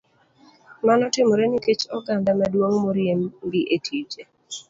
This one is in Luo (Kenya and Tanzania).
Mano timore nikech oganda maduong' moriembi e tije.